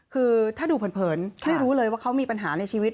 คือถ้าดูเผินไม่รู้เลยว่าเขามีปัญหาในชีวิต